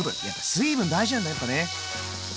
水分大事なんだやっぱね。